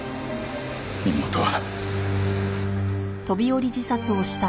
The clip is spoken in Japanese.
妹は。